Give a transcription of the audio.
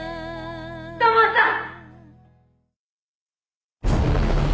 「土門さん！」